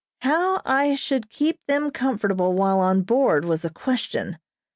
How I should keep them comfortable while on board was a question.